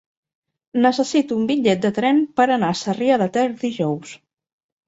Necessito un bitllet de tren per anar a Sarrià de Ter dijous.